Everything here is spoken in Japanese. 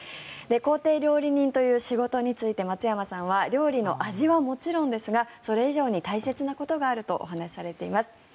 公邸料理人という仕事について松山さんは料理の味はもちろんですがそれ以上に大切なことがあるとお話しされています。